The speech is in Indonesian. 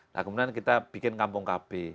nah kemudian kita bikin kampung kb